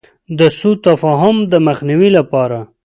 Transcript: د سو تفاهم د مخنیوي لپاره.